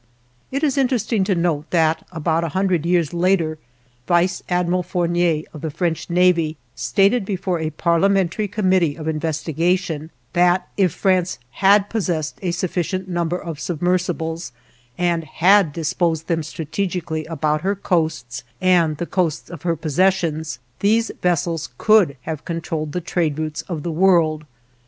It is interesting to note that, about a hundred years later, Vice Admiral Fournier of the French Navy stated before a Parliamentary committee of investigation that, if France had possessed a sufficient number of submersibles, and had disposed them strategically about her coasts and the coasts of her possessions, these vessels could have controlled the trade routes of the world.